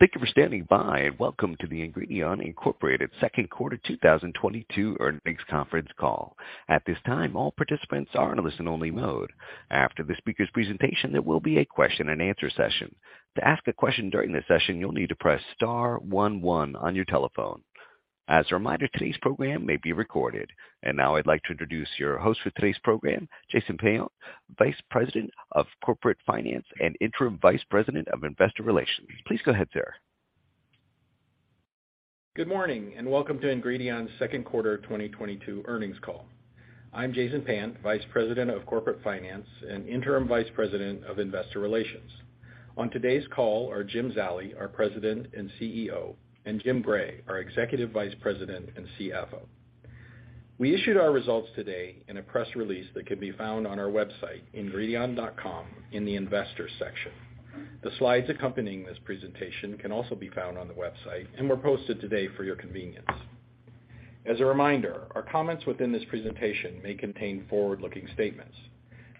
Thank you for standing by, and welcome to the Ingredion Incorporated second quarter 2022 earnings conference call. At this time, all participants are in a listen-only mode. After the speaker's presentation, there will be a question-and-answer session. To ask a question during the session, you'll need to press star one one on your telephone. As a reminder, today's program may be recorded. Now I'd like to introduce your host for today's program, Jason Payant, Vice President of Corporate Finance and Interim Vice President of Investor Relations. Please go ahead, sir. Good morning, and welcome to Ingredion's second quarter 2022 earnings call. I'm Jason Payant, vice president of corporate finance and interim vice president of investor relations. On today's call are Jim Zallie, our President and CEO, and Jim Gray, our Executive Vice President and CFO. We issued our results today in a press release that can be found on our website, ingredion.com in the Investors section. The slides accompanying this presentation can also be found on the website and were posted today for your convenience. As a reminder, our comments within this presentation may contain forward-looking statements.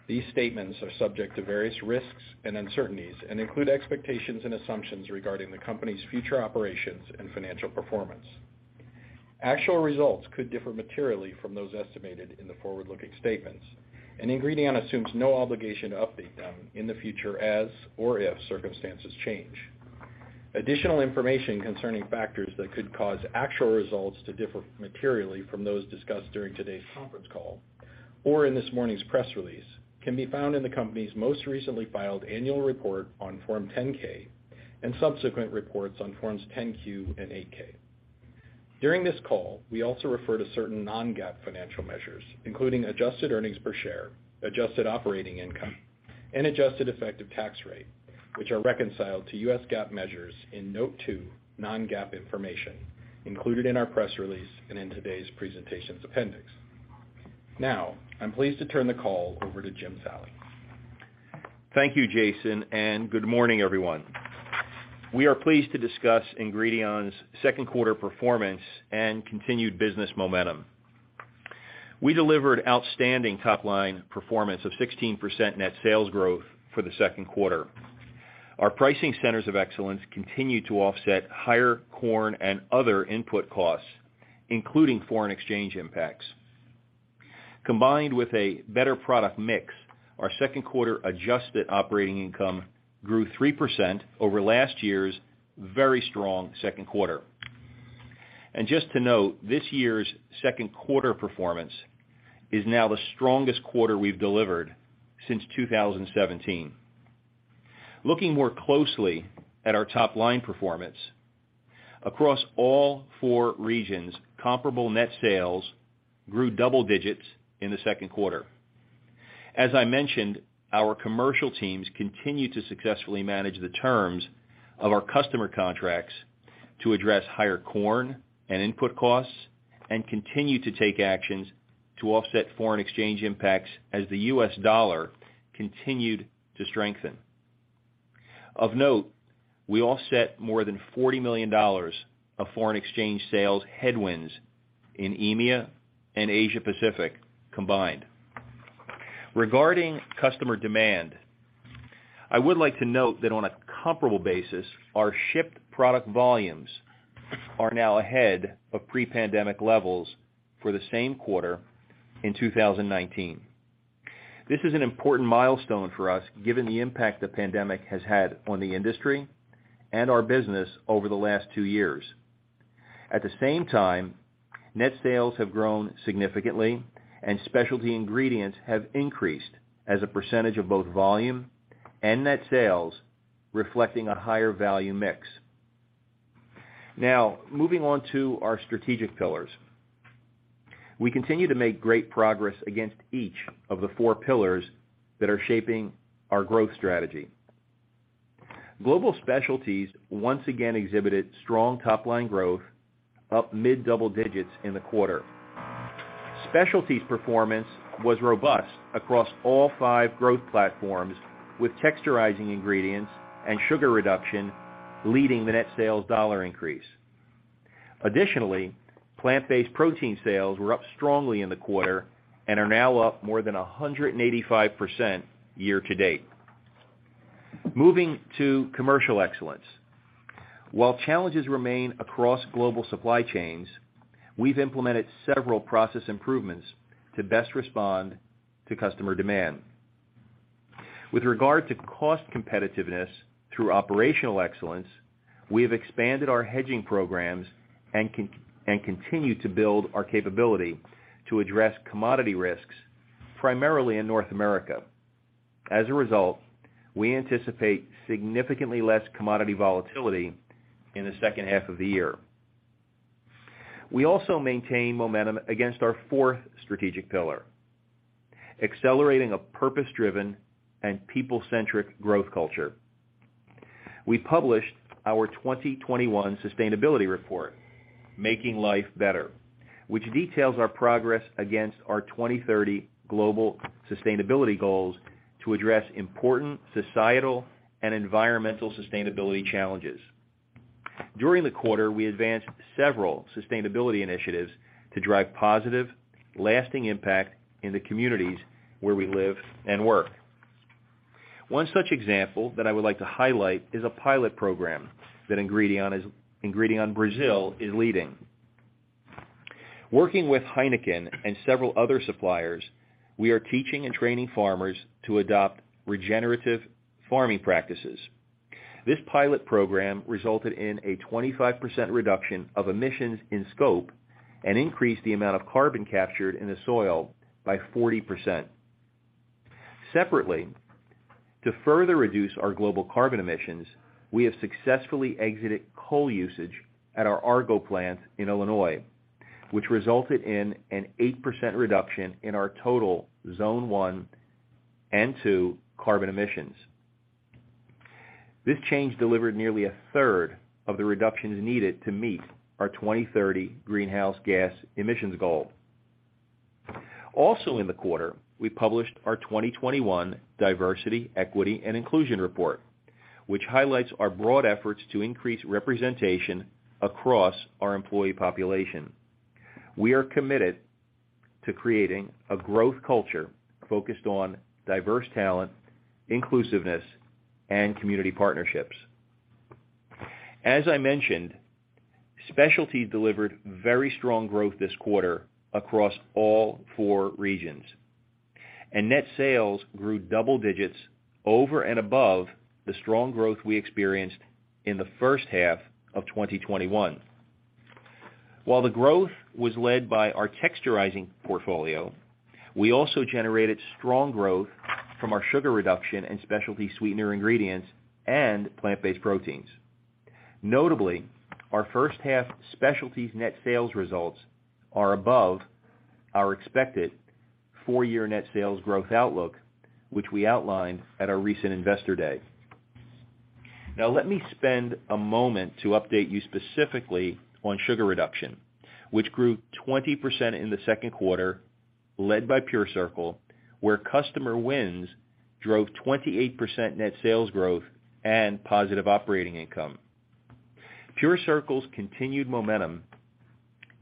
These statements are subject to various risks and uncertainties and include expectations and assumptions regarding the company's future operations and financial performance. Actual results could differ materially from those estimated in the forward-looking statements, and Ingredion assumes no obligation to update them in the future as or if circumstances change. Additional information concerning factors that could cause actual results to differ materially from those discussed during today's conference call or in this morning's press release can be found in the company's most recently filed annual report on Form 10-K and subsequent reports on Forms 10-Q and 8-K. During this call, we also refer to certain non-GAAP financial measures, including adjusted earnings per share, adjusted operating income, and adjusted effective tax rate, which are reconciled to U.S. GAAP measures in Note two, Non-GAAP Information included in our press release and in today's presentation's appendix. Now, I'm pleased to turn the call over to Jim Zallie. Thank you, Jason, and good morning, everyone. We are pleased to discuss Ingredion's second quarter performance and continued business momentum. We delivered outstanding top line performance of 16% net sales growth for the second quarter. Our Pricing Centers of Excellence continued to offset higher corn and other input costs, including foreign exchange impacts. Combined with a better product mix, our second quarter adjusted operating income grew 3% over last year's very strong second quarter. Just to note, this year's second quarter performance is now the strongest quarter we've delivered since 2017. Looking more closely at our top line performance, across all four regions, comparable net sales grew double digits in the second quarter. As I mentioned, our commercial teams continue to successfully manage the terms of our customer contracts to address higher corn and input costs and continue to take actions to offset foreign exchange impacts as the U.S. dollar continued to strengthen. Of note, we offset more than $40 million of foreign exchange sales headwinds in EMEA and Asia Pacific combined. Regarding customer demand, I would like to note that on a comparable basis, our shipped product volumes are now ahead of pre-pandemic levels for the same quarter in 2019. This is an important milestone for us, given the impact the pandemic has had on the industry and our business over the last two years. At the same time, net sales have grown significantly, and specialty ingredients have increased as a percentage of both volume and net sales, reflecting a higher value mix. Now, moving on to our strategic pillars. We continue to make great progress against each of the four pillars that are shaping our growth strategy. Global specialties once again exhibited strong top line growth, up mid-double digits in the quarter. Specialties performance was robust across all five growth platforms, with texturizing ingredients and sugar reduction leading the net sales dollar increase. Additionally, plant-based protein sales were up strongly in the quarter and are now up more than 185% year-to-date. Moving to commercial excellence. While challenges remain across global supply chains, we've implemented several process improvements to best respond to customer demand. With regard to cost competitiveness through operational excellence, we have expanded our hedging programs and continue to build our capability to address commodity risks, primarily in North America. As a result, we anticipate significantly less commodity volatility in the second half of the year. We also maintain momentum against our fourth strategic pillar, accelerating a purpose-driven and people-centric growth culture. We published our 2021 sustainability report, Making Life Better, which details our progress against our 2030 global sustainability goals to address important societal and environmental sustainability challenges. During the quarter, we advanced several sustainability initiatives to drive positive, lasting impact in the communities where we live and work. One such example that I would like to highlight is a pilot program that Ingredion Brazil is leading. Working with Heineken and several other suppliers, we are teaching and training farmers to adopt regenerative farming practices. This pilot program resulted in a 25% reduction of emissions in scope and increased the amount of carbon captured in the soil by 40%. Separately, to further reduce our global carbon emissions, we have successfully exited coal usage at our Argo plant in Illinois, which resulted in an 8% reduction in our total Scope 1 and 2 carbon emissions. This change delivered nearly a third of the reductions needed to meet our 2030 greenhouse gas emissions goal. Also in the quarter, we published our 2021 diversity, equity and inclusion report, which highlights our broad efforts to increase representation across our employee population. We are committed to creating a growth culture focused on diverse talent, inclusiveness and community partnerships. As I mentioned, Specialty delivered very strong growth this quarter across all four regions, and net sales grew double digits over and above the strong growth we experienced in the first half of 2021. While the growth was led by our texturizing portfolio, we also generated strong growth from our sugar reduction in specialty sweetener ingredients and plant-based proteins. Notably, our first half specialties net sales results are above our expected four-year net sales growth outlook, which we outlined at our recent Investor Day. Now, let me spend a moment to update you specifically on sugar reduction, which grew 20% in the second quarter, led by PureCircle, where customer wins drove 28% net sales growth and positive operating income. PureCircle's continued momentum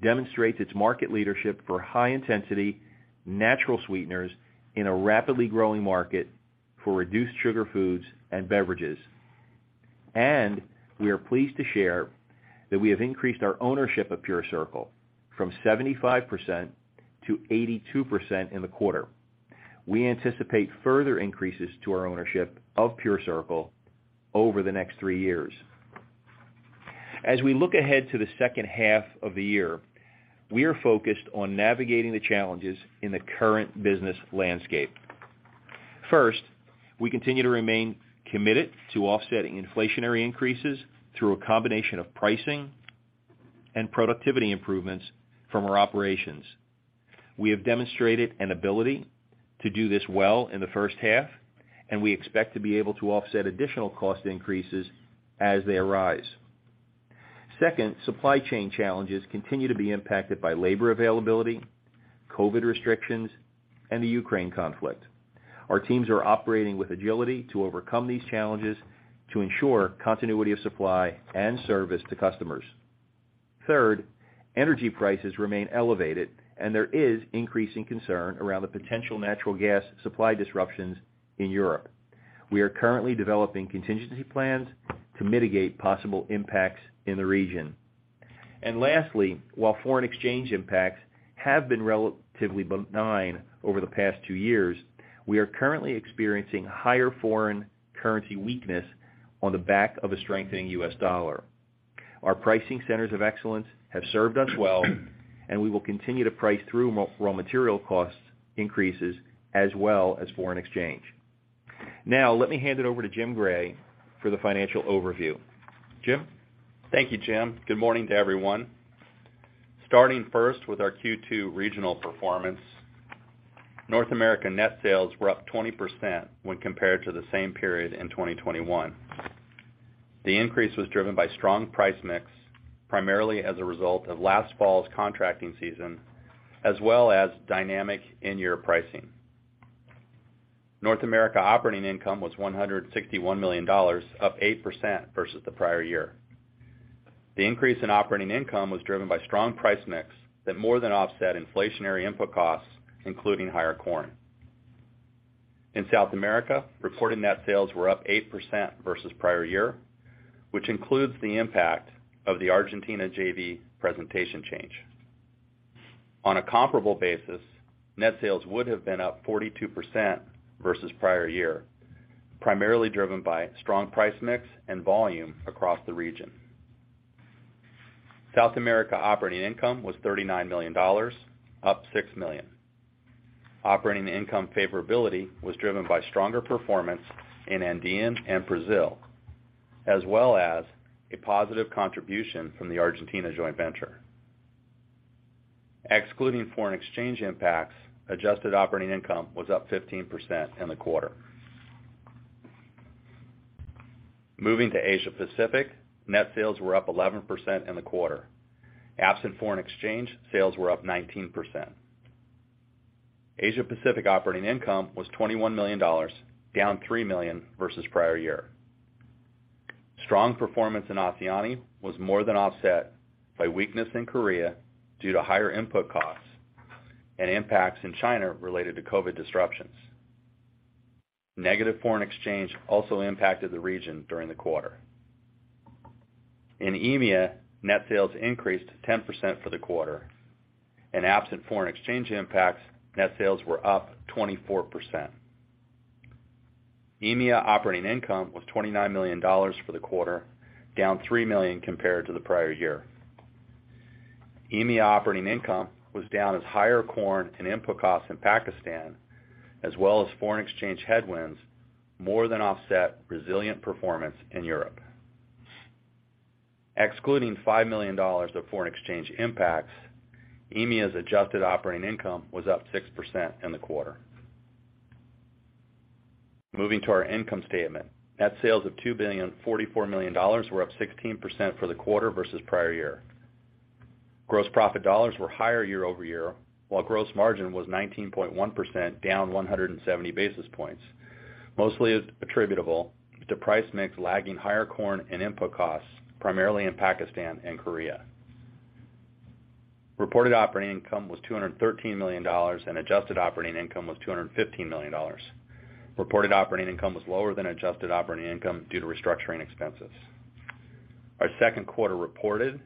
demonstrates its market leadership for high intensity natural sweeteners in a rapidly growing market for reduced sugar foods and beverages. We are pleased to share that we have increased our ownership of PureCircle from 75% to 82% in the quarter. We anticipate further increases to our ownership of PureCircle over the next three years. As we look ahead to the second half of the year, we are focused on navigating the challenges in the current business landscape. First, we continue to remain committed to offsetting inflationary increases through a combination of pricing and productivity improvements from our operations. We have demonstrated an ability to do this well in the first half, and we expect to be able to offset additional cost increases as they arise. Second, supply chain challenges continue to be impacted by labor availability, COVID restrictions and the Ukraine conflict. Our teams are operating with agility to overcome these challenges to ensure continuity of supply and service to customers. Third, energy prices remain elevated and there is increasing concern around the potential natural gas supply disruptions in Europe. We are currently developing contingency plans to mitigate possible impacts in the region. Lastly, while foreign exchange impacts have been relatively benign over the past two years, we are currently experiencing higher foreign currency weakness on the back of a strengthening U.S. dollar. Our Pricing Centers of Excellence have served us well and we will continue to price through raw material cost increases as well as foreign exchange. Now let me hand it over to Jim Gray for the financial overview. Jim? Thank you, Jim. Good morning to everyone. Starting first with our Q2 regional performance. North America net sales were up 20% when compared to the same period in 2021. The increase was driven by strong price mix, primarily as a result of last fall's contracting season, as well as dynamic in-year pricing. North America operating income was $161 million, up 8% versus the prior year. The increase in operating income was driven by strong price mix that more than offset inflationary input costs, including higher corn. In South America, reported net sales were up 8% versus prior year, which includes the impact of the Argentina JV presentation change. On a comparable basis, net sales would have been up 42% versus prior year, primarily driven by strong price mix and volume across the region. South America operating income was $39 million, up $6 million. Operating income favorability was driven by stronger performance in Andean and Brazil, as well as a positive contribution from the Argentina joint venture. Excluding foreign exchange impacts, adjusted operating income was up 15% in the quarter. Moving to Asia Pacific, net sales were up 11% in the quarter. Absent foreign exchange, sales were up 19%. Asia Pacific operating income was $21 million, down $3 million versus prior year. Strong performance in Oceania was more than offset by weakness in Korea due to higher input costs and impacts in China related to COVID disruptions. Negative foreign exchange also impacted the region during the quarter. In EMEA, net sales increased 10% for the quarter, and absent foreign exchange impacts, net sales were up 24%. EMEA operating income was $29 million for the quarter, down $3 million compared to the prior year. EMEA operating income was down as higher corn and input costs in Pakistan, as well as foreign exchange headwinds more than offset resilient performance in Europe. Excluding $5 million of foreign exchange impacts, EMEA's adjusted operating income was up 6% in the quarter. Moving to our income statement. Net sales of $2,044 million were up 16% for the quarter versus prior year. Gross profit dollars were higher year-over-year, while gross margin was 19.1%, down 170 basis points, mostly attributable to price mix lagging higher corn and input costs, primarily in Pakistan and Korea. Reported operating income was $213 million, and adjusted operating income was $215 million. Reported operating income was lower than adjusted operating income due to restructuring expenses. Our second quarter reported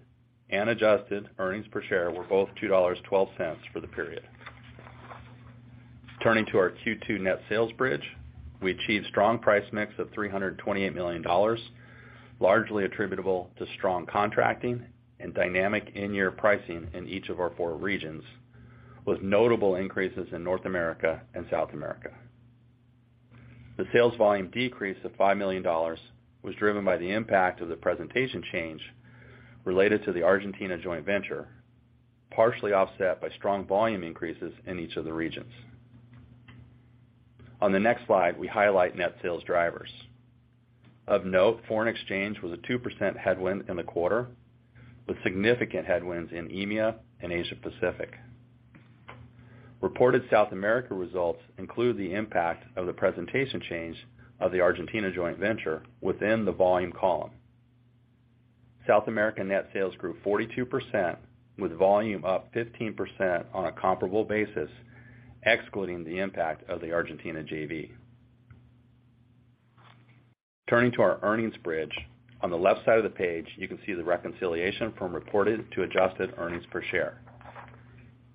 and adjusted earnings per share were both $2.12 for the period. Turning to our Q2 net sales bridge. We achieved strong price mix of $328 million, largely attributable to strong contracting and dynamic in-year pricing in each of our four regions, with notable increases in North America and South America. The sales volume decrease of $5 million was driven by the impact of the presentation change related to the Argentina joint venture, partially offset by strong volume increases in each of the regions. On the next slide, we highlight net sales drivers. Of note, foreign exchange was a 2% headwind in the quarter, with significant headwinds in EMEA and Asia Pacific. Reported South America results include the impact of the presentation change of the Argentina joint venture within the volume column. South America net sales grew 42%, with volume up 15% on a comparable basis, excluding the impact of the Argentina JV. Turning to our earnings bridge. On the left side of the page, you can see the reconciliation from reported to adjusted earnings per share.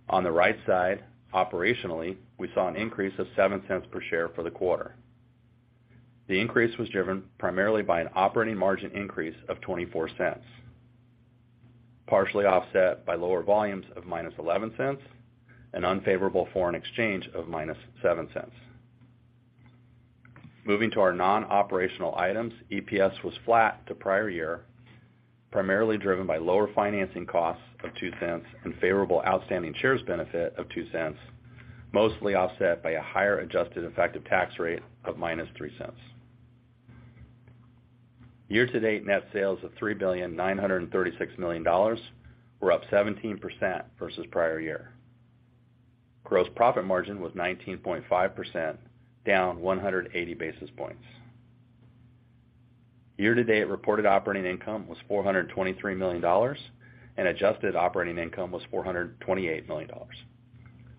On the right side, operationally, we saw an increase of $0.07 per share for the quarter. The increase was driven primarily by an operating margin increase of $0.24, partially offset by lower volumes of -$0.11 and unfavorable foreign exchange of -$0.07. Moving to our non-operational items, EPS was flat to prior year, primarily driven by lower financing costs of $0.02 and favorable outstanding shares benefit of $0.02, mostly offset by a higher adjusted effective tax rate of -$0.03. Year-to-date net sales of $3,936 million were up 17% versus prior year. Gross profit margin was 19.5%, down 180 basis points. Year-to-date reported operating income was $423 million, and adjusted operating income was $428 million.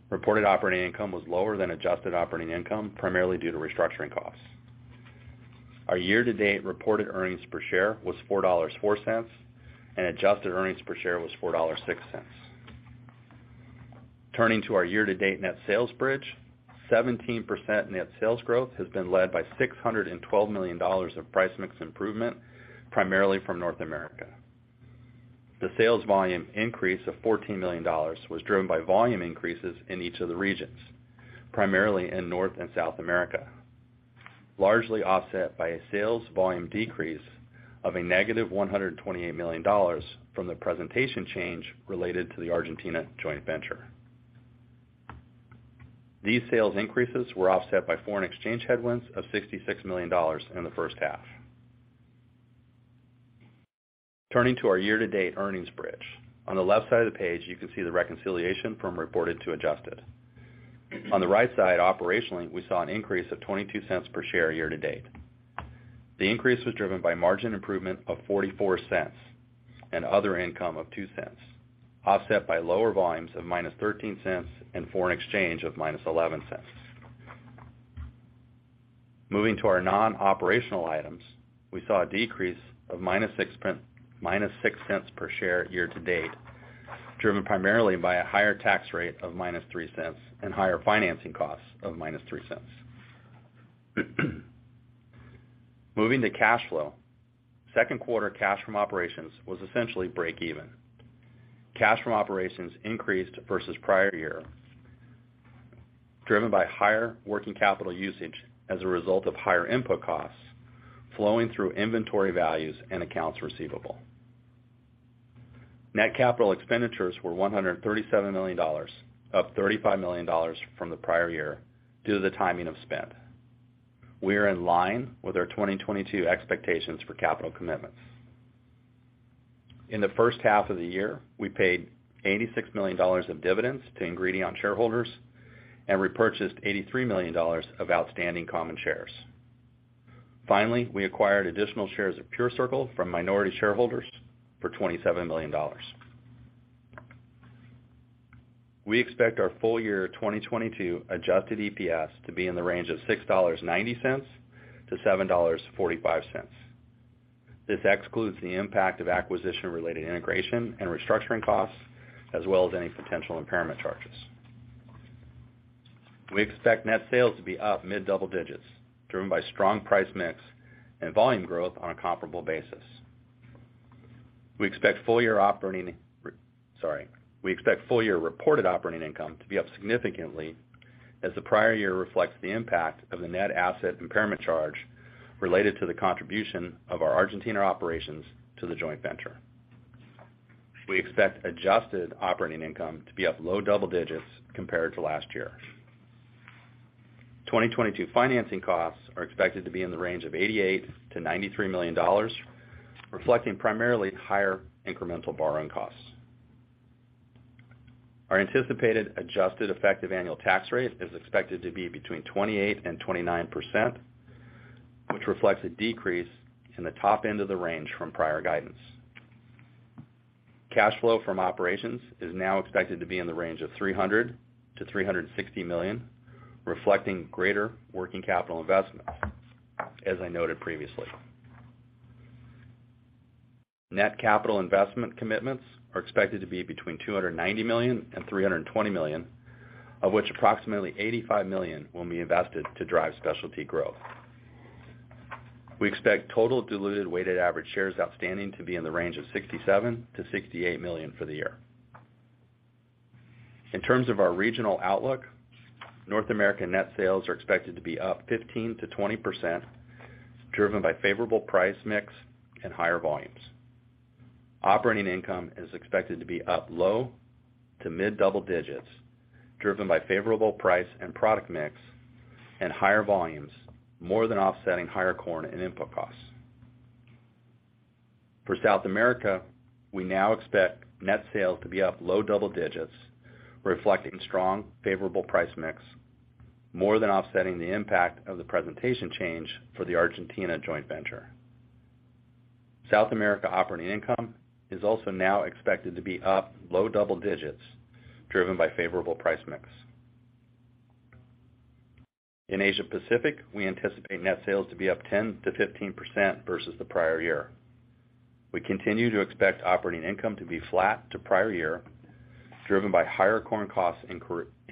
Reported operating income was lower than adjusted operating income, primarily due to restructuring costs. Our year-to-date reported earnings per share was $4.04, and adjusted earnings per share was $4.06. Turning to our year-to-date net sales bridge. 17% net sales growth has been led by $612 million of price mix improvement, primarily from North America. The sales volume increase of $14 million was driven by volume increases in each of the regions, primarily in North and South America, largely offset by a sales volume decrease of -$128 million from the presentation change related to the Argentina joint venture. These sales increases were offset by foreign exchange headwinds of $66 million in the first half. Turning to our year-to-date earnings bridge. On the left side of the page, you can see the reconciliation from reported to adjusted. On the right side, operationally, we saw an increase of $0.22 per share year-to-date. The increase was driven by margin improvement of $0.44 and other income of $0.02, offset by lower volumes of -$0.13 and foreign exchange of -$0.11. Moving to our non-operational items, we saw a decrease of -$0.06 per share year to date, driven primarily by a higher tax rate of -$0.03 and higher financing costs of -$0.03. Moving to cash flow. Second quarter cash from operations was essentially break even. Cash from operations increased versus prior year, driven by higher working capital usage as a result of higher input costs flowing through inventory values and accounts receivable. Net capital expenditures were $137 million, up $35 million from the prior year due to the timing of spend. We are in line with our 2022 expectations for capital commitments. In the first half of the year, we paid $86 million of dividends to Ingredion shareholders and repurchased $83 million of outstanding common shares. Finally, we acquired additional shares of PureCircle from minority shareholders for $27 million. We expect our full-year 2022 adjusted EPS to be in the range of $6.90-$7.45. This excludes the impact of acquisition-related integration and restructuring costs, as well as any potential impairment charges. We expect net sales to be up mid-double digits, driven by strong price mix and volume growth on a comparable basis. We expect full year reported operating income to be up significantly as the prior year reflects the impact of the net asset impairment charge related to the contribution of our Argentina operations to the joint venture. We expect adjusted operating income to be up low double digits compared to last year. 2022 financing costs are expected to be in the range of $88 million-$93 million, reflecting primarily higher incremental borrowing costs. Our anticipated adjusted effective annual tax rate is expected to be between 28% and 29%, which reflects a decrease in the top end of the range from prior guidance. Cash flow from operations is now expected to be in the range of $300 million-$360 million, reflecting greater working capital investment, as I noted previously. Net capital investment commitments are expected to be between $290 million and $320 million, of which approximately $85 million will be invested to drive specialty growth. We expect total diluted weighted average shares outstanding to be in the range of 67-68 million for the year. In terms of our regional outlook, North American net sales are expected to be up 15%-20% driven by favorable price mix and higher volumes. Operating income is expected to be up low to mid-double digits, driven by favorable price and product mix and higher volumes, more than offsetting higher corn and input costs. For South America, we now expect net sales to be up low double digits, reflecting strong favorable price mix, more than offsetting the impact of the presentation change for the Argentina joint venture. South America operating income is also now expected to be up low double digits, driven by favorable price mix. In Asia Pacific, we anticipate net sales to be up 10%-15% versus the prior year. We continue to expect operating income to be flat to prior year, driven by higher corn costs in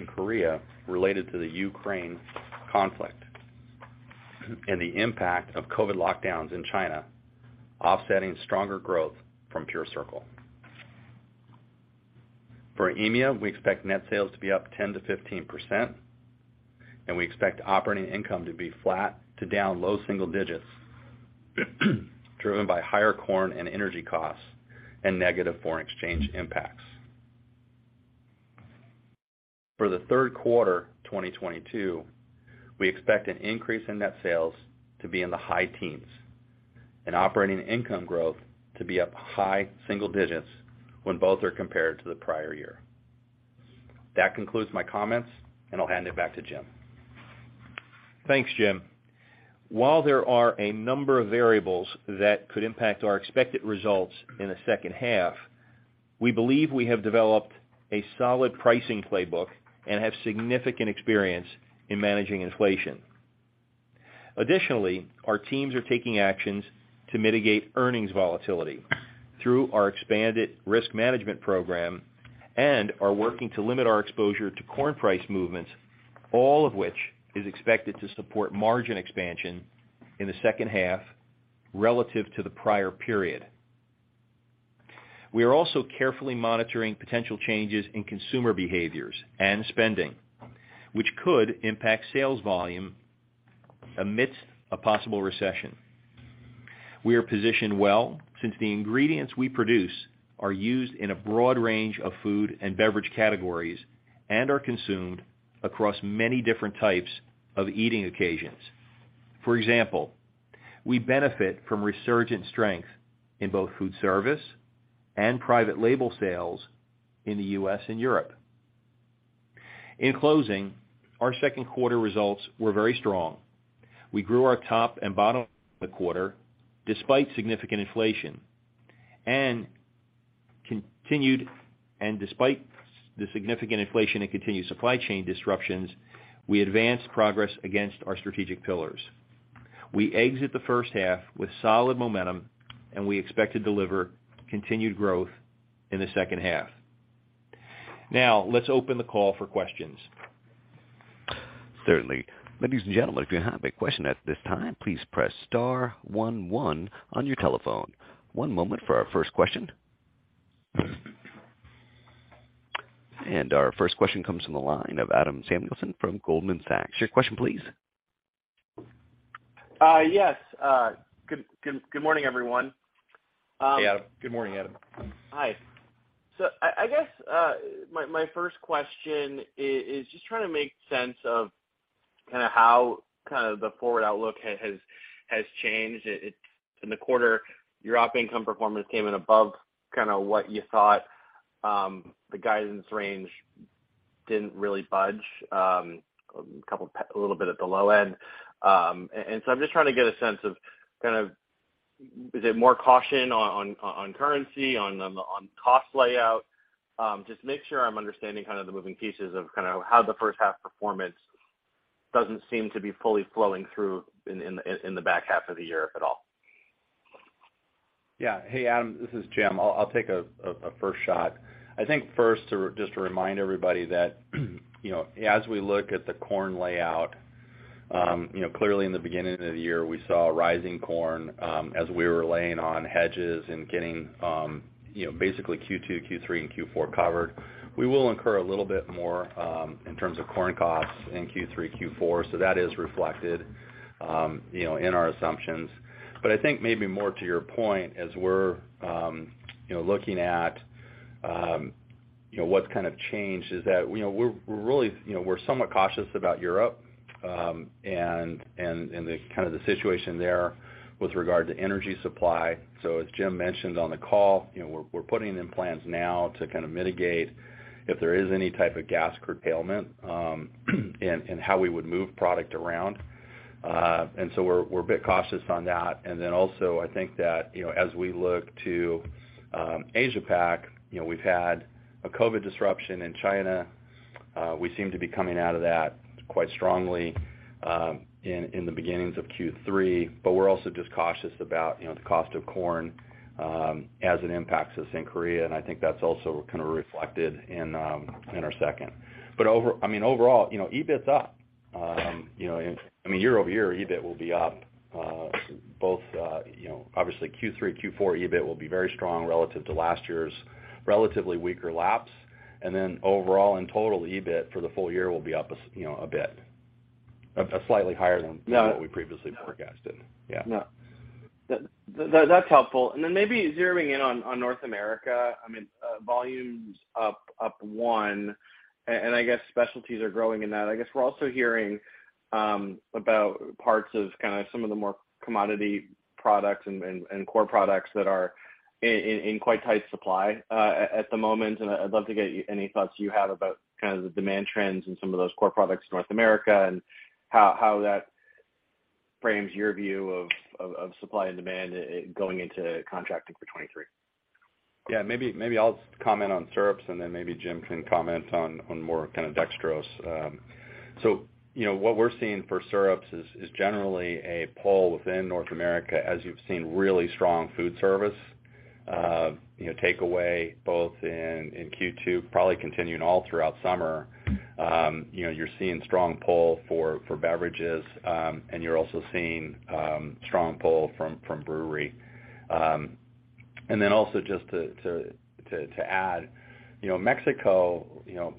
Korea related to the Ukraine conflict and the impact of COVID lockdowns in China, offsetting stronger growth from PureCircle. For EMEA, we expect net sales to be up 10%-15%, and we expect operating income to be flat to down low single digits, driven by higher corn and energy costs and negative foreign exchange impacts. For the third quarter 2022, we expect an increase in net sales to be in the high teens and operating income growth to be up high single digits when both are compared to the prior year. That concludes my comments, and I'll hand it back to Jim. Thanks, Jim. While there are a number of variables that could impact our expected results in the second half, we believe we have developed a solid pricing playbook and have significant experience in managing inflation. Additionally, our teams are taking actions to mitigate earnings volatility through our expanded risk management program and are working to limit our exposure to corn price movements, all of which is expected to support margin expansion in the second half relative to the prior period. We are also carefully monitoring potential changes in consumer behaviors and spending, which could impact sales volume amidst a possible recession. We are positioned well since the ingredients we produce are used in a broad range of food and beverage categories and are consumed across many different types of eating occasions. For example, we benefit from resurgent strength in both food service and private label sales in the U.S. and Europe. In closing, our second quarter results were very strong. We grew our top and bottom line in the quarter despite significant inflation and continued supply chain disruptions. We advanced progress against our strategic pillars. We exit the first half with solid momentum, and we expect to deliver continued growth in the second half. Now let's open the call for questions. Certainly. Ladies and gentlemen, if you have a question at this time, please press star one one on your telephone. One moment for our first question. Our first question comes from the line of Adam Samuelson from Goldman Sachs. Your question, please. Yes. Good morning, everyone. Hey. Good morning, Adam. Hi. I guess, my first question is just trying to make sense of kinda how kind of the forward outlook has changed. In the quarter, your op income performance came in above kinda what you thought. The guidance range didn't really budge, a little bit at the low end. And so I'm just trying to get a sense of kind of is it more caution on currency, on cost outlook. Just make sure I'm understanding kind of the moving pieces of kinda how the first half performance doesn't seem to be fully flowing through in the back half of the year at all. Yeah. Hey, Adam, this is Jim. I'll take a first shot. I think first, just to remind everybody that, you know, as we look at the corn outlook, you know, clearly in the beginning of the year, we saw rising corn, as we were locking in hedges and getting, you know, basically Q2, Q3, and Q4 covered. We will incur a little bit more, in terms of corn costs in Q3, Q4. That is reflected, you know, in our assumptions. I think maybe more to your point, as we're, you know, looking at, you know, what's changed is that, you know, we're really, you know, we're somewhat cautious about Europe, and the kind of situation there with regard to energy supply. As Jim mentioned on the call, you know, we're putting in plans now to kind of mitigate if there is any type of gas curtailment, and how we would move product around. We're a bit cautious on that. I think that, you know, as we look to Asia Pac, you know, we've had a COVID disruption in China. We seem to be coming out of that quite strongly in the beginnings of Q3, but we're also just cautious about, you know, the cost of corn, as it impacts us in Korea. I think that's also kind of reflected in our second. I mean, overall, you know, EBIT's up. You know, I mean, year-over-year, EBIT will be up both, you know, obviously Q3, Q4 EBIT will be very strong relative to last year's relatively weaker lapping. Overall, in total, EBIT for the full year will be up a bit, slightly higher than- Yeah. What we previously forecasted. Yeah. No, that's helpful. Then maybe zeroing in on North America, I mean, volume's up 1%, and I guess specialties are growing in that. I guess we're also hearing about parts of kind of some of the more commodity products and core products that are in quite tight supply at the moment. I'd love to get any thoughts you have about kind of the demand trends in some of those core products in North America and how that frames your view of supply and demand going into contracting for 2023. Yeah, maybe I'll comment on syrups, and then maybe Jim can comment on more kind of dextrose. So, you know, what we're seeing for syrups is generally a pull within North America as you've seen really strong food service takeaway both in Q2, probably continuing all throughout summer. You know, you're seeing strong pull for beverages, and you're also seeing strong pull from brewery. And then also just to add, you know, Mexico, you know,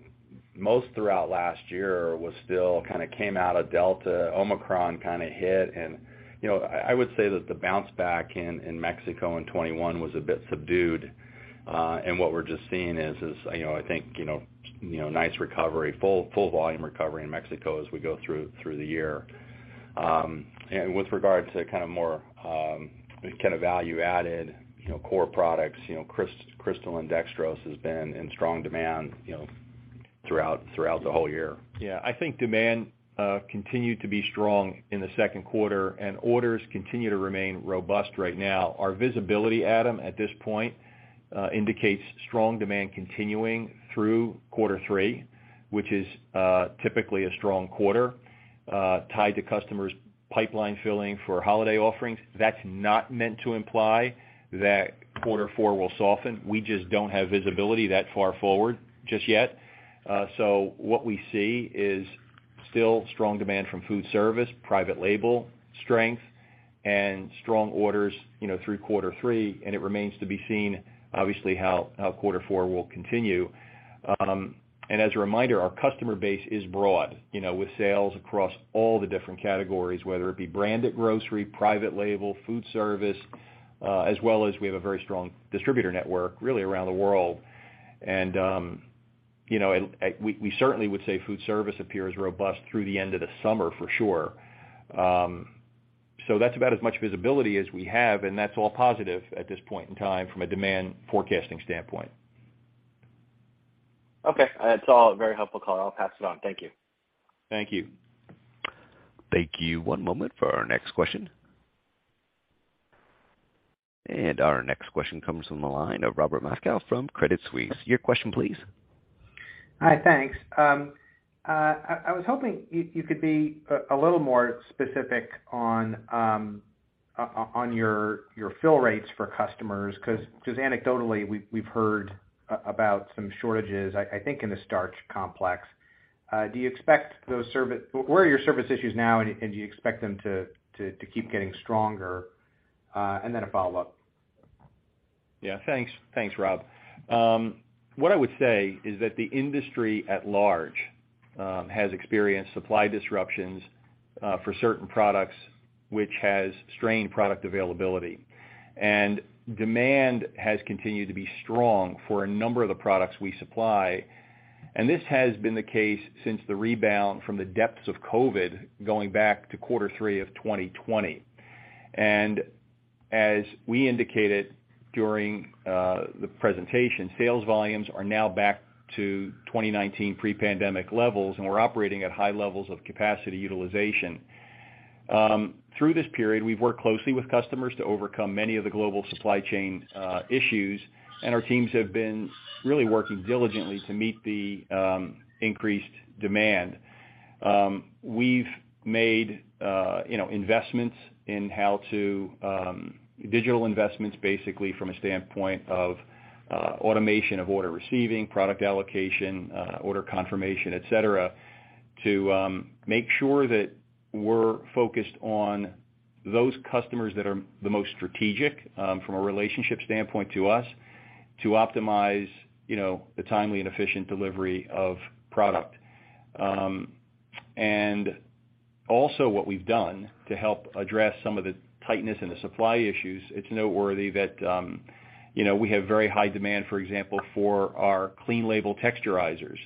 most throughout last year was still kinda coming out of Delta, Omicron kinda hit and, you know, I would say that the bounce back in Mexico in 2021 was a bit subdued. What we're just seeing is, you know, I think, you know, nice recovery, full volume recovery in Mexico as we go through the year. With regard to kind of more, kind of value-added, you know, core products, you know, crystal and dextrose has been in strong demand, you know, throughout the whole year. Yeah. I think demand continued to be strong in the second quarter, and orders continue to remain robust right now. Our visibility, Adam, at this point, indicates strong demand continuing through quarter three, which is typically a strong quarter, tied to customers pipeline filling for holiday offerings. That's not meant to imply that quarter four will soften. We just don't have visibility that far forward just yet. What we see is still strong demand from food service, private label strength, and strong orders, you know, through quarter three, and it remains to be seen, obviously, how quarter four will continue. As a reminder, our customer base is broad, you know, with sales across all the different categories, whether it be branded grocery, private label, food service, as well as we have a very strong distributor network really around the world. You know, we certainly would say food service appears robust through the end of the summer for sure. That's about as much visibility as we have, and that's all positive at this point in time from a demand forecasting standpoint. Okay. That's all very helpful. I'll pass it on. Thank you. Thank you. Thank you. One moment for our next question. Our next question comes from the line of Robert Moskow from Credit Suisse. Your question, please. Hi. Thanks. I was hoping you could be a little more specific on your fill rates for customers, 'cause anecdotally, we've heard about some shortages, I think in the starch complex. Where are your service issues now, and do you expect them to keep getting stronger? And then a follow-up. Yeah. Thanks. Thanks, Rob. What I would say is that the industry at large has experienced supply disruptions for certain products which has strained product availability. Demand has continued to be strong for a number of the products we supply. This has been the case since the rebound from the depths of COVID going back to quarter three of 2020. As we indicated during the presentation, sales volumes are now back to 2019 pre-pandemic levels, and we're operating at high levels of capacity utilization. Through this period, we've worked closely with customers to overcome many of the global supply chain issues, and our teams have been really working diligently to meet the increased demand. We've made you know investments in how to. Digital investments, basically from a standpoint of automation of order receiving, product allocation, order confirmation, et cetera, to make sure that we're focused on those customers that are the most strategic from a relationship standpoint to us to optimize, you know, the timely and efficient delivery of product. What we've done to help address some of the tightness in the supply issues, it's noteworthy that, you know, we have very high demand, for example, for our clean label texturizers.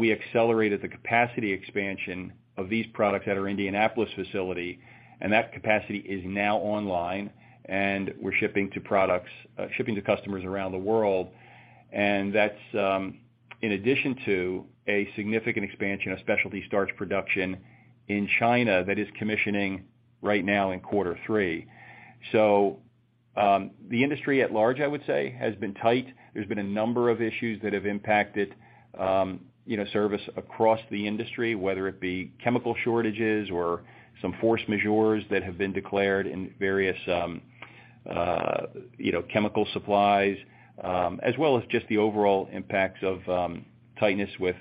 We accelerated the capacity expansion of these products at our Indianapolis facility, and that capacity is now online and we're shipping to customers around the world. That's in addition to a significant expansion of specialty starch production in China that is commissioning right now in quarter three. The industry at large, I would say, has been tight. There's been a number of issues that have impacted, you know, service across the industry, whether it be chemical shortages or some force majeure that have been declared in various, you know, chemical supplies, as well as just the overall impacts of, tightness with,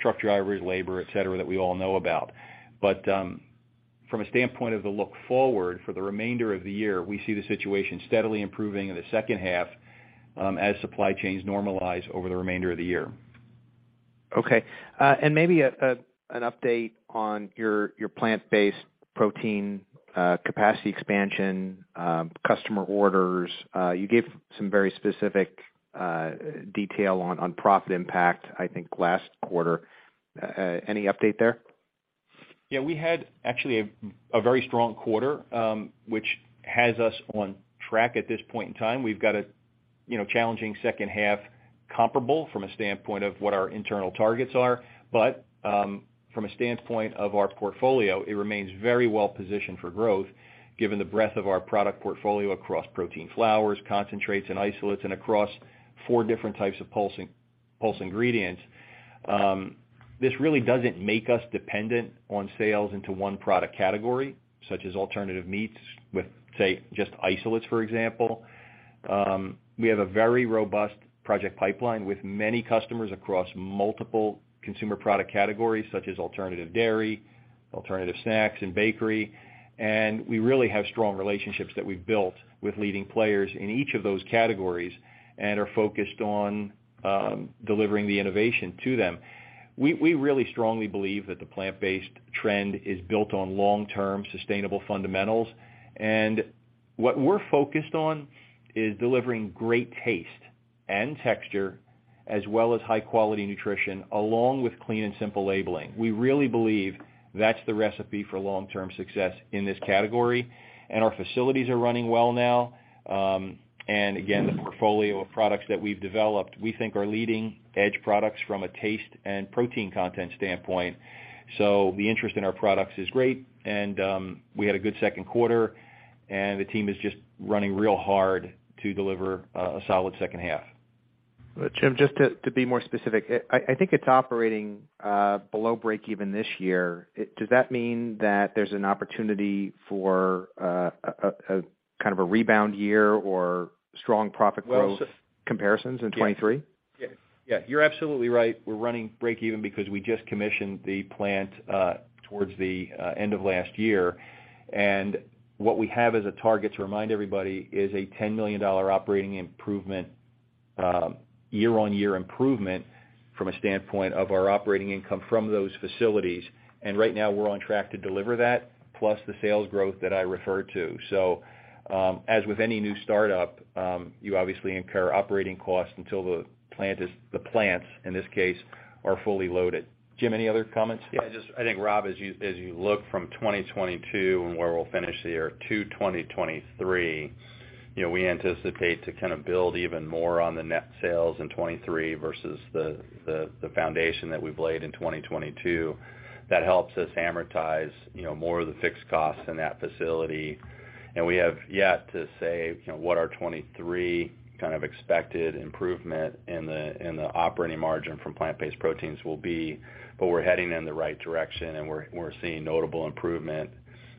truck drivers, labor, et cetera, that we all know about. From a standpoint of the look forward for the remainder of the year, we see the situation steadily improving in the second half, as supply chains normalize over the remainder of the year. Okay. Maybe an update on your plant-based protein capacity expansion, customer orders. You gave some very specific detail on profit impact, I think last quarter. Any update there? Yeah, we had actually a very strong quarter, which has us on track at this point in time. We've got you know, challenging second half comparable from a standpoint of what our internal targets are. From a standpoint of our portfolio, it remains very well positioned for growth given the breadth of our product portfolio across protein flours, concentrates and isolates, and across four different types of pulse ingredients. This really doesn't make us dependent on sales into one product category such as alternative meats with, say, just isolates, for example. We have a very robust project pipeline with many customers across multiple consumer product categories such as alternative dairy, alternative snacks and bakery. We really have strong relationships that we've built with leading players in each of those categories and are focused on delivering the innovation to them. We really strongly believe that the plant-based trend is built on long-term sustainable fundamentals. What we're focused on is delivering great taste and texture as well as high quality nutrition along with clean and simple labeling. We really believe that's the recipe for long-term success in this category. Our facilities are running well now. Again, the portfolio of products that we've developed we think are leading edge products from a taste and protein content standpoint. The interest in our products is great and we had a good second quarter and the team is just running real hard to deliver a solid second half. Jim, just to be more specific. I think it's operating below break-even this year. Does that mean that there's an opportunity for a kind of a rebound year or strong profit growth comparisons in 2023? Yeah. You're absolutely right. We're running break even because we just commissioned the plant towards the end of last year. What we have as a target to remind everybody is a $10 million operating improvement, year-on-year improvement from a standpoint of our operating income from those facilities. Right now we're on track to deliver that, plus the sales growth that I referred to. As with any new startup, you obviously incur operating costs until the plants in this case are fully loaded. Jim, any other comments? Yeah, just I think, Robert, as you look from 2022 and where we'll finish the year to 2023, you know, we anticipate to kind of build even more on the net sales in 2023 versus the foundation that we've laid in 2022. That helps us amortize, you know, more of the fixed costs in that facility. We have yet to say, you know, what our 2023 kind of expected improvement in the operating margin from plant-based proteins will be. We're heading in the right direction and we're seeing notable improvement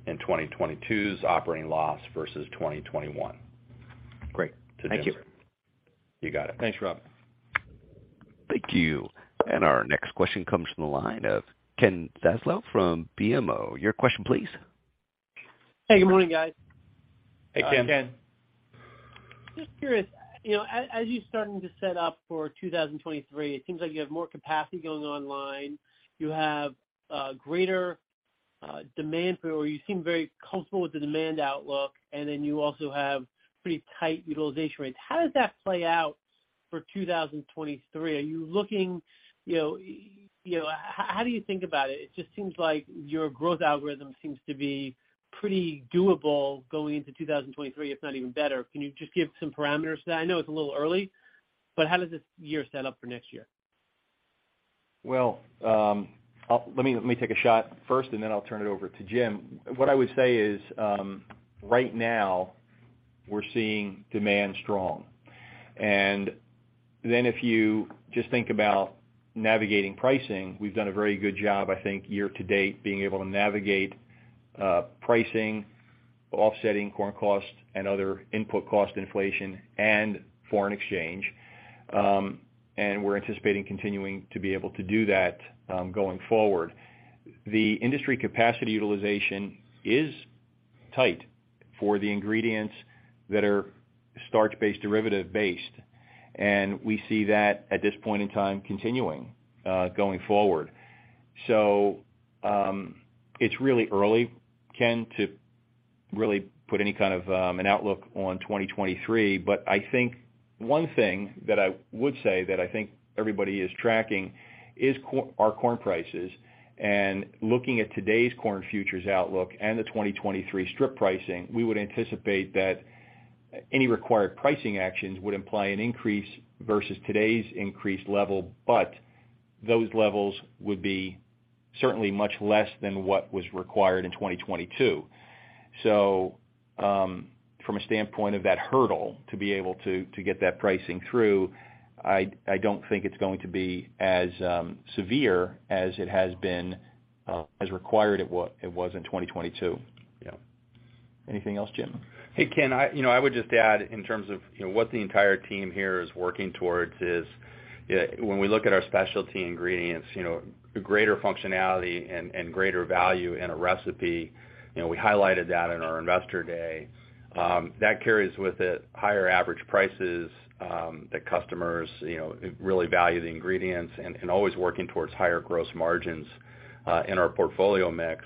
in 2022's operating loss versus 2021. Great. Thank you. You got it. Thanks, Rob. Thank you. Our next question comes from the line of Ken Zaslow from BMO. Your question please. Hey, good morning, guys. Hey, Ken. Just curious, you know, as you're starting to set up for 2023, it seems like you have more capacity going online. You have greater demand for or you seem very comfortable with the demand outlook, and then you also have pretty tight utilization rates. How does that play out for 2023? Are you looking, you know, how do you think about it? It just seems like your growth algorithm seems to be pretty doable going into 2023, if not even better. Can you just give some parameters to that? I know it's a little early, but how does this year set up for next year? Well, let me take a shot first, and then I'll turn it over to Jim. What I would say is, right now we're seeing demand strong. If you just think about navigating pricing, we've done a very good job, I think, year-to-date being able to navigate pricing, offsetting corn costs and other input cost inflation and foreign exchange. We're anticipating continuing to be able to do that going forward. The industry capacity utilization is tight for the ingredients that are starch-based, derivative-based, and we see that at this point in time continuing going forward. It's really early, Ken, to really put any kind of an outlook on 2023. I think one thing that I would say that I think everybody is tracking is corn prices. Looking at today's corn futures outlook and the 2023 strip pricing, we would anticipate that any required pricing actions would imply an increase versus today's increased level, but those levels would be certainly much less than what was required in 2022. From a standpoint of that hurdle to be able to get that pricing through, I don't think it's going to be as severe as it has been, as it was in 2022. Yeah. Anything else, Jim? Hey, Ken, you know, I would just add in terms of, you know, what the entire team here is working towards is, you know, when we look at our specialty ingredients, you know, the greater functionality and greater value in a recipe, you know, we highlighted that in our Investor Day. That carries with it higher average prices, that customers, you know, really value the ingredients and always working towards higher gross margins in our portfolio mix.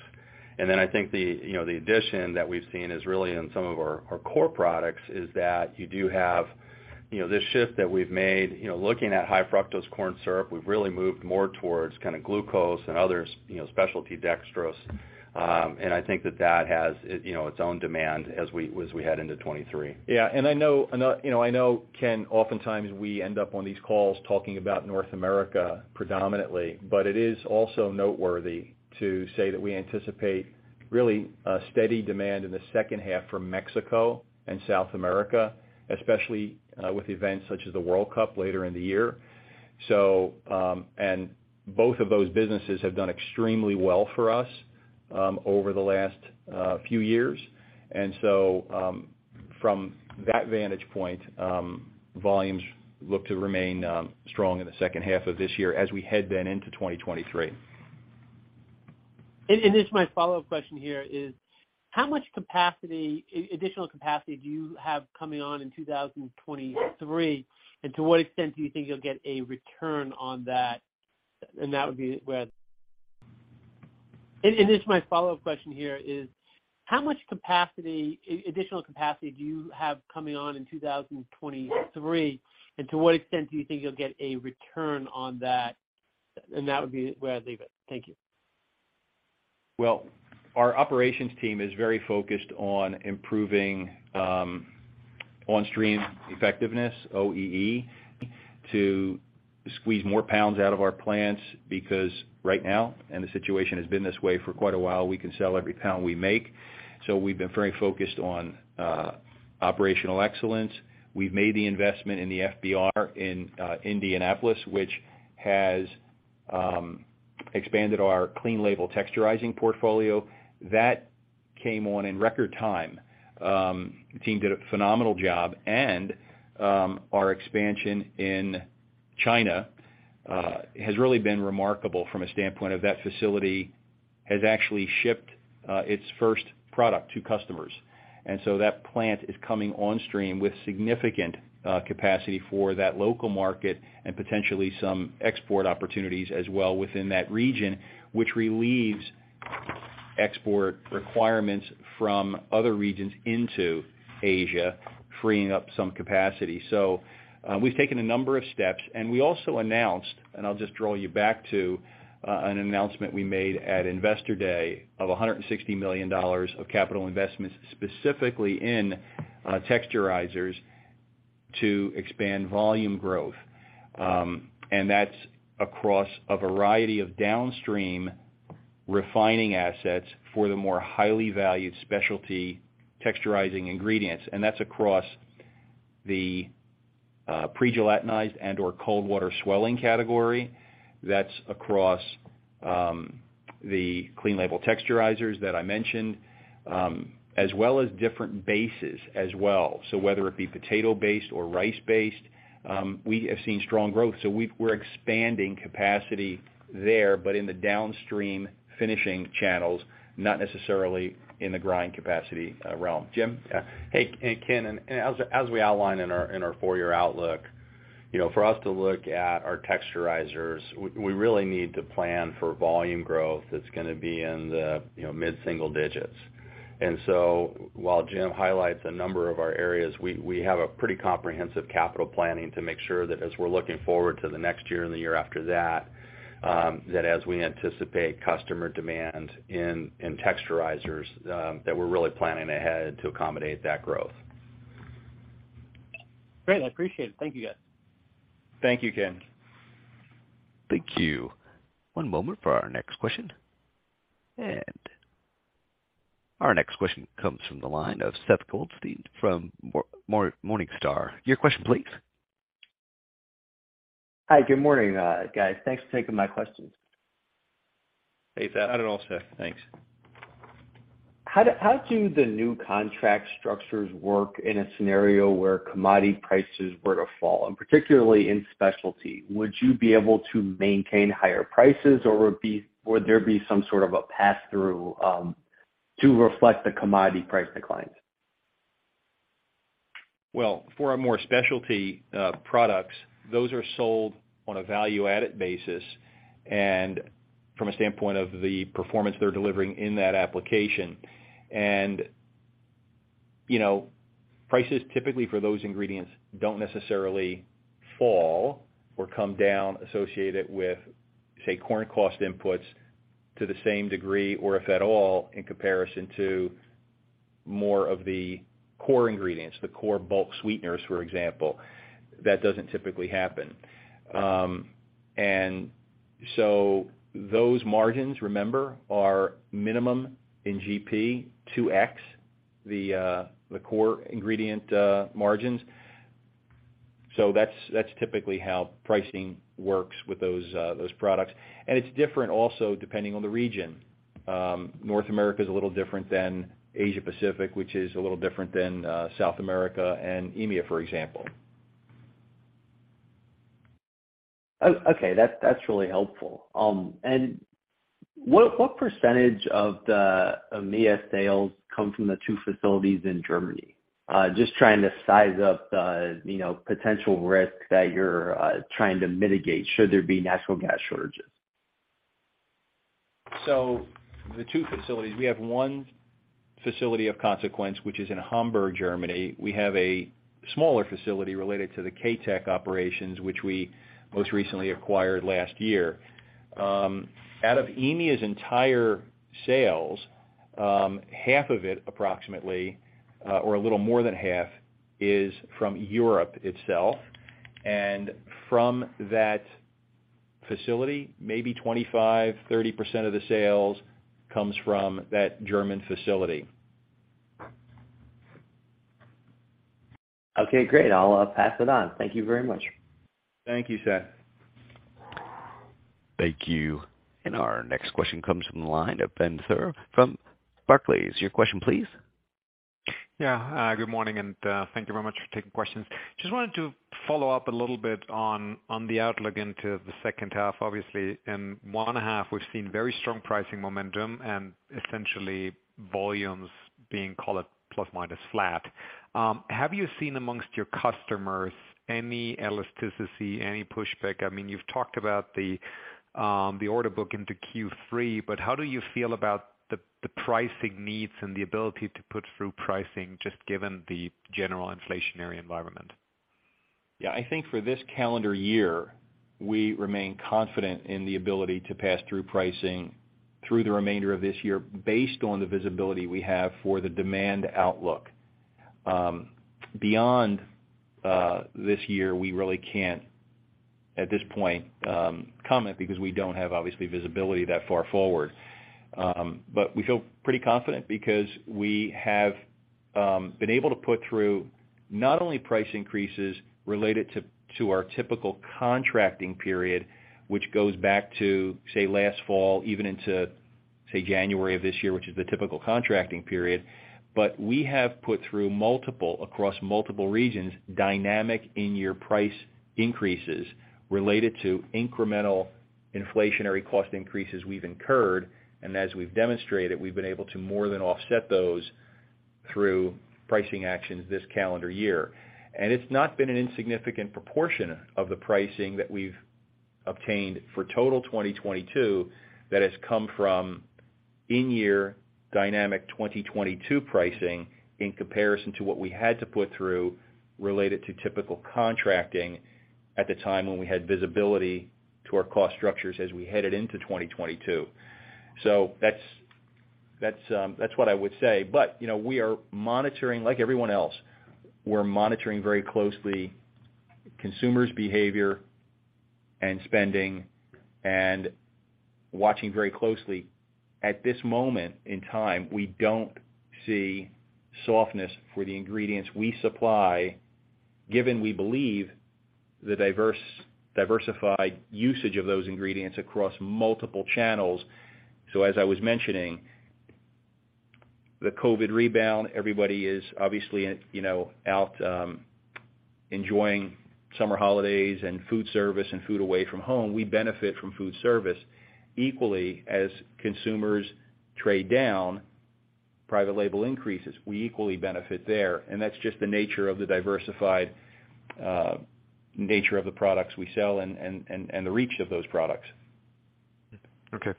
Then I think the, you know, the addition that we've seen is really in some of our core products, is that you do have, you know, this shift that we've made, you know, looking at high fructose corn syrup, we've really moved more towards kind of glucose and other specialty dextrose. I think that has, you know, its own demand as we head into 2023. Yeah. I know, you know, I know, Ken, oftentimes we end up on these calls talking about North America predominantly, but it is also noteworthy to say that we anticipate really a steady demand in the second half from Mexico and South America, especially, with events such as the World Cup later in the year. Both of those businesses have done extremely well for us over the last few years. From that vantage point, volumes look to remain strong in the second half of this year as we head then into 2023. This is my follow-up question here is how much capacity, additional capacity do you have coming on in 2023? To what extent do you think you'll get a return on that? That would be where I'd leave it. Thank you. Well, our operations team is very focused on improving on stream effectiveness, OEE, to squeeze more pounds out of our plants because right now, and the situation has been this way for quite a while, we can sell every pound we make. We've been very focused on operational excellence. We've made the investment in the FBR in Indianapolis, which has expanded our clean label texturizers portfolio. That came on in record time. The team did a phenomenal job. Our expansion in China has really been remarkable from a standpoint of that facility has actually shipped its first product to customers. That plant is coming on stream with significant capacity for that local market and potentially some export opportunities as well within that region, which relieves export requirements from other regions into Asia, freeing up some capacity. We've taken a number of steps, and we also announced, and I'll just draw you back to an announcement we made at Investor Day of $160 million of capital investments specifically in texturizers to expand volume growth. That's across a variety of downstream refining assets for the more highly valued specialty texturizing ingredients. That's across the pre-gelatinized and/or cold water swelling category. That's across the clean label texturizers that I mentioned, as well as different bases as well. Whether it be potato-based or rice-based, we have seen strong growth. We're expanding capacity there, but in the downstream finishing channels, not necessarily in the grind capacity realm. Jim? Yeah. Hey, Ken, as we outlined in our four-year outlook. You know, for us to look at our texturizers, we really need to plan for volume growth that's gonna be in the, you know, mid-single digits. While Jim highlights a number of our areas, we have a pretty comprehensive capital planning to make sure that as we're looking forward to the next year and the year after that as we anticipate customer demand in texturizers, that we're really planning ahead to accommodate that growth. Great. I appreciate it. Thank you, guys. Thank you, Ken. Thank you. One moment for our next question. Our next question comes from the line of Seth Goldstein from Morningstar. Your question please. Hi. Good morning, guys. Thanks for taking my questions. Hey, Seth. How you doing, Seth? Thanks. How do the new contract structures work in a scenario where commodity prices were to fall? Particularly in specialty, would you be able to maintain higher prices, or would there be some sort of a pass-through to reflect the commodity price declines? Well, for our more specialty products, those are sold on a value-added basis, and from a standpoint of the performance they're delivering in that application. You know, prices typically for those ingredients don't necessarily fall or come down associated with, say, corn cost inputs to the same degree or if at all in comparison to more of the core ingredients, the core bulk sweeteners, for example. That doesn't typically happen. Those margins, remember, are minimum in GP 2x, the core ingredient margins. That's typically how pricing works with those products. It's different also depending on the region. North America is a little different than Asia-Pacific, which is a little different than South America and EMEA, for example. Okay. That's really helpful. What percentage of the EMEA sales come from the two facilities in Germany? Just trying to size up the, you know, potential risk that you're trying to mitigate should there be natural gas shortages. The two facilities, we have one facility of consequence, which is in Hamburg, Germany. We have a smaller facility related to the KaTech operations, which we most recently acquired last year. Out of EMEA's entire sales, half of it approximately, or a little more than half is from Europe itself. From that facility, maybe 25%-30% of the sales comes from that German facility. Okay, great. I'll pass it on. Thank you very much. Thank you, Seth. Thank you. Our next question comes from the line of Ben Theurer from Barclays. Your question please. Yeah. Good morning, and thank you very much for taking questions. Just wanted to follow up a little bit on the outlook into the second half. Obviously, in the first half, we've seen very strong pricing momentum and essentially volumes being call it plus or minus flat. Have you seen amongst your customers any elasticity, any pushback? I mean, you've talked about the order book into Q3, but how do you feel about the pricing needs and the ability to put through pricing just given the general inflationary environment? Yeah. I think for this calendar year, we remain confident in the ability to pass through pricing through the remainder of this year based on the visibility we have for the demand outlook. Beyond this year, we really can't at this point comment because we don't have, obviously, visibility that far forward. We feel pretty confident because we have been able to put through not only price increases related to our typical contracting period, which goes back to, say, last fall, even into, say, January of this year, which is the typical contracting period. We have put through multiple across multiple regions, dynamic in-year price increases related to incremental inflationary cost increases we've incurred. As we've demonstrated, we've been able to more than offset those through pricing actions this calendar year. It's not been an insignificant proportion of the pricing that we've obtained for total 2022 that has come from in-year dynamic 2022 pricing in comparison to what we had to put through related to typical contracting at the time when we had visibility to our cost structures as we headed into 2022. That's what I would say. You know, we are monitoring, like everyone else, we're monitoring very closely consumers' behavior and spending and watching very closely. At this moment in time, we don't see softness for the ingredients we supply, given we believe the diversified usage of those ingredients across multiple channels. As I was mentioning, the COVID rebound, everybody is obviously, you know, out, enjoying summer holidays and food service and food away from home. We benefit from food service equally as consumers trade down, private label increases, we equally benefit there. That's just the nature of the diversified nature of the products we sell and the reach of those products. Okay.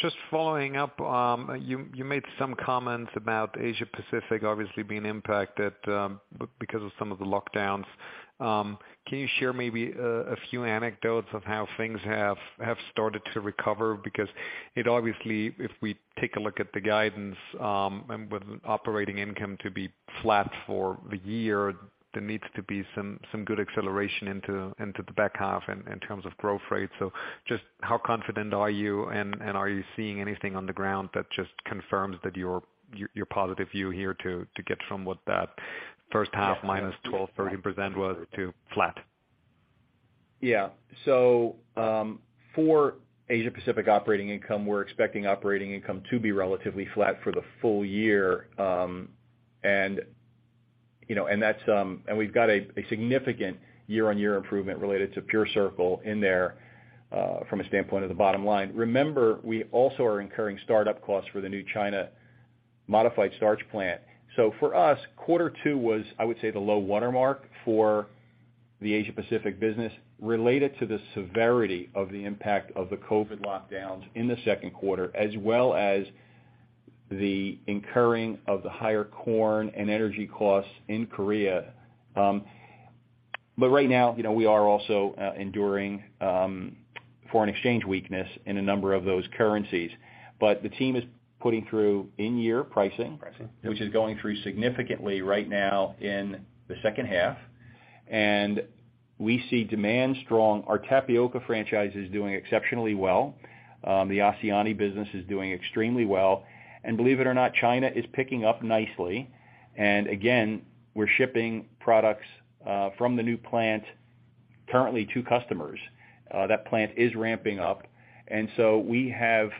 Just following up, you made some comments about Asia Pacific obviously being impacted because of some of the lockdowns. Can you share maybe a few anecdotes of how things have started to recover? Because it obviously, if we take a look at the guidance, and with operating income to be flat for the year, there needs to be some good acceleration into the back half in terms of growth rates. So just how confident are you, and are you seeing anything on the ground that just confirms that your positive view here to get from what that first half minus 12%-13% was to flat? Yeah. For Asia Pacific operating income, we're expecting operating income to be relatively flat for the full year. We've got a significant year-on-year improvement related to PureCircle in there, from a standpoint of the bottom line. Remember, we also are incurring startup costs for the new China modified starch plant. For us, quarter two was the low watermark for the Asia Pacific business related to the severity of the impact of the COVID lockdowns in the second quarter, as well as the incurring of the higher corn and energy costs in Korea. Right now, you know, we are also enduring foreign exchange weakness in a number of those currencies. The team is putting through in-year pricing- Pricing, yep.... which is going through significantly right now in the second half. We see demand strong. Our tapioca franchise is doing exceptionally well. The Asian business is doing extremely well. Believe it or not, China is picking up nicely. Again, we're shipping products from the new plant currently to customers. That plant is ramping up. We have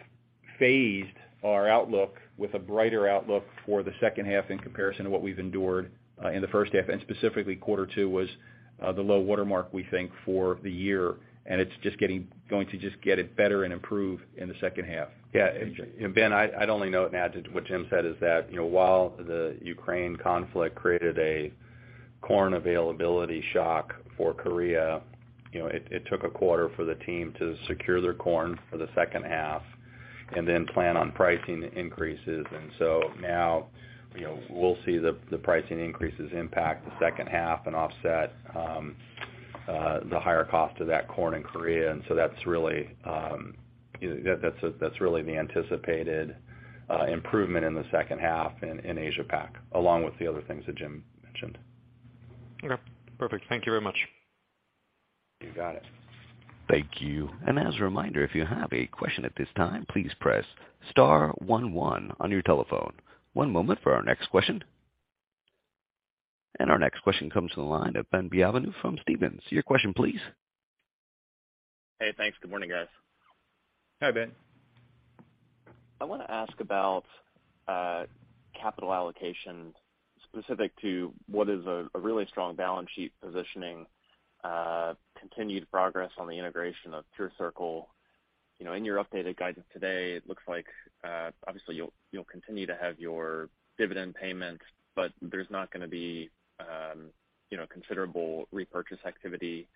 phased our outlook with a brighter outlook for the second half in comparison to what we've endured in the first half, and specifically, quarter two was the low watermark, we think, for the year, and it's just going to just get better and improve in the second half. Yeah. Ben, I'd only note and add to what Jim said is that, you know, while the Ukraine conflict created a corn availability shock for Korea, you know, it took a quarter for the team to secure their corn for the second half and then plan on pricing increases. Now, you know, we'll see the pricing increases impact the second half and offset the higher cost of that corn in Korea. That's really, you know, that's really the anticipated improvement in the second half in Asia Pac, along with the other things that Jim mentioned. Okay. Perfect. Thank you very much. You got it. Thank you. As a reminder, if you have a question at this time, please press star one one on your telephone. One moment for our next question. Our next question comes from the line of Ben Bienvenu from Stephens. Your question, please. Hey, thanks. Good morning, guys. Hi, Ben. I wanna ask about capital allocation specific to what is a really strong balance sheet positioning, continued progress on the integration of PureCircle. In your updated guidance today, it looks like obviously you'll continue to have your dividend payments, but there's not gonna be considerable repurchase activity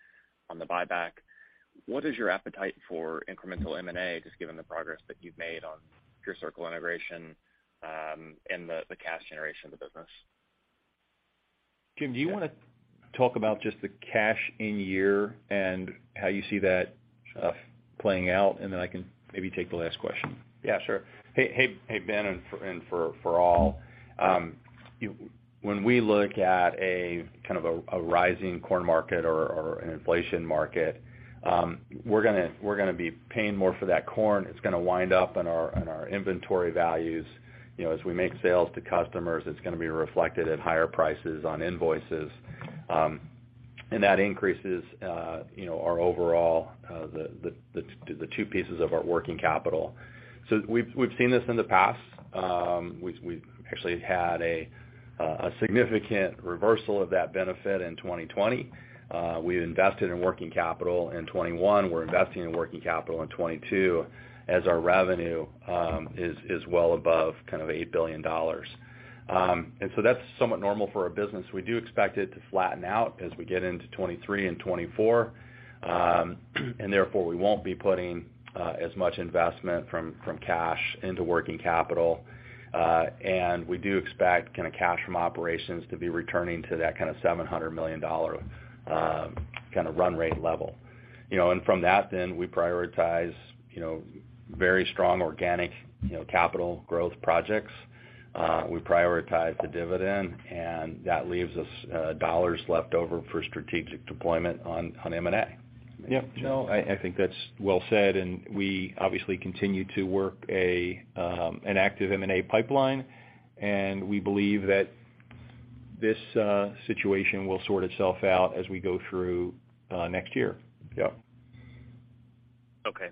on the buyback. What is your appetite for incremental M&A, just given the progress that you've made on PureCircle integration, and the cash generation of the business? Jim, do you wanna talk about just the cash in year and how you see that playing out? I can maybe take the last question. Yeah, sure. Hey, Ben, and for all. When we look at a kind of rising corn market or an inflation market, we're gonna be paying more for that corn. It's gonna wind up in our inventory values. You know, as we make sales to customers, it's gonna be reflected at higher prices on invoices. And that increases you know, our overall the two pieces of our working capital. We've seen this in the past. We've actually had a significant reversal of that benefit in 2020. We've invested in working capital in 2021. We're investing in working capital in 2022 as our revenue is well above kind of $8 billion. That's somewhat normal for our business. We do expect it to flatten out as we get into 2023 and 2024, and therefore, we won't be putting as much investment from cash into working capital. We do expect kind of cash from operations to be returning to that kind of $700 million run rate level. You know, from that then, we prioritize very strong organic capital growth projects. We prioritize the dividend, and that leaves us dollars left over for strategic deployment on M&A. Yep. No, I think that's well said, and we obviously continue to work an active M&A pipeline. We believe that this situation will sort itself out as we go through next year. Yeah. Okay.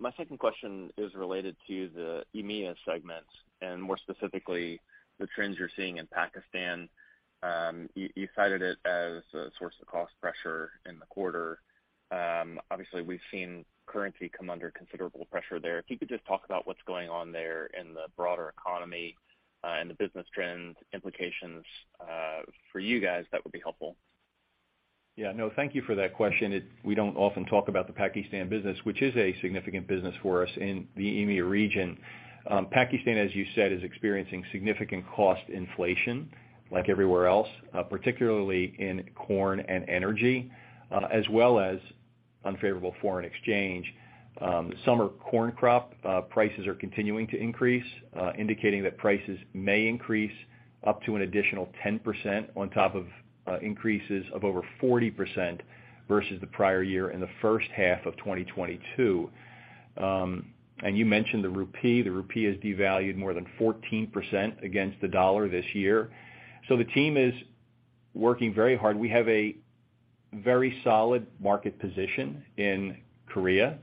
My second question is related to the EMEA segments and more specifically, the trends you're seeing in Pakistan. You cited it as a source of cost pressure in the quarter. Obviously, we've seen currency come under considerable pressure there. If you could just talk about what's going on there in the broader economy, and the business trends implications, for you guys, that would be helpful. Yeah. No, thank you for that question. We don't often talk about the Pakistan business, which is a significant business for us in the EMEA region. Pakistan, as you said, is experiencing significant cost inflation like everywhere else, particularly in corn and energy, as well as unfavorable foreign exchange. Summer corn crop prices are continuing to increase, indicating that prices may increase up to an additional 10% on top of increases of over 40% versus the prior year in the first half of 2022. You mentioned the rupee. The rupee has devalued more than 14% against the dollar this year. The team is working very hard. We have a very solid market position in Pakistan.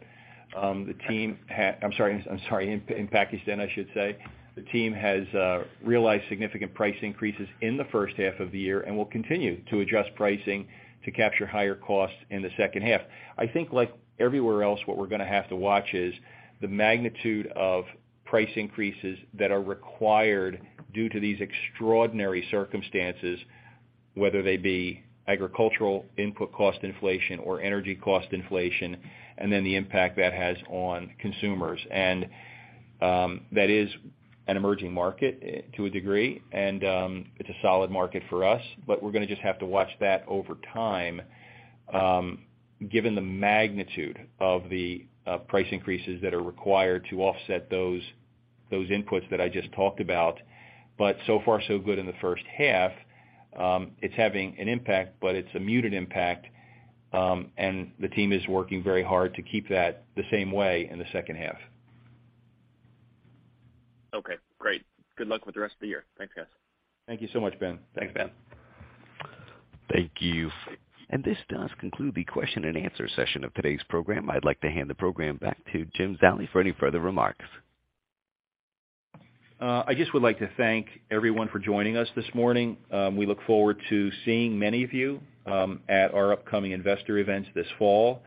The team has realized significant price increases in the first half of the year and will continue to adjust pricing to capture higher costs in the second half. I think like everywhere else, what we're gonna have to watch is the magnitude of price increases that are required due to these extraordinary circumstances, whether they be agricultural input cost inflation or energy cost inflation, and then the impact that has on consumers. That is an emerging market to a degree, and it's a solid market for us, but we're gonna just have to watch that over time, given the magnitude of the price increases that are required to offset those inputs that I just talked about. So far so good in the first half. It's having an impact, but it's a muted impact, and the team is working very hard to keep that the same way in the second half. Okay, great. Good luck with the rest of the year. Thanks, guys. Thank you so much, Ben. Thanks, Ben. Thank you. This does conclude the question and answer session of today's program. I'd like to hand the program back to Jim Zallie for any further remarks. I just would like to thank everyone for joining us this morning. We look forward to seeing many of you at our upcoming investor events this fall.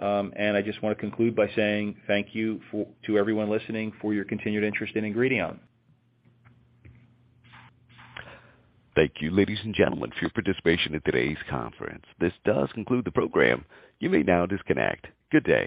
I just wanna conclude by saying thank you to everyone listening for your continued interest in Ingredion. Thank you, ladies and gentlemen, for your participation in today's conference. This does conclude the program. You may now disconnect. Good day.